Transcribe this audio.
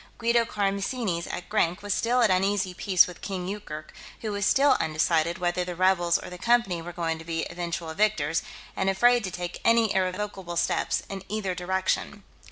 Guido Karamessinis, at Grank, was still at uneasy peace with King Yoorkerk, who was still undecided whether the rebels or the Company were going to be the eventual victors, and afraid to take any irrevocable step in either direction....